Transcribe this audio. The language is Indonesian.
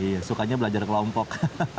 iya sukanya belajar kelompok